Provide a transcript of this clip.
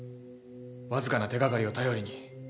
わずかな手がかりを頼りに。